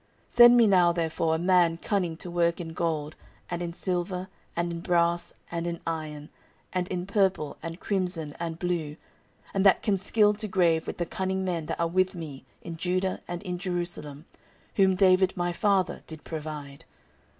14:002:007 Send me now therefore a man cunning to work in gold, and in silver, and in brass, and in iron, and in purple, and crimson, and blue, and that can skill to grave with the cunning men that are with me in Judah and in Jerusalem, whom David my father did provide.